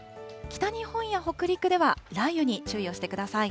北日本や北陸では雷雨に注意をしてください。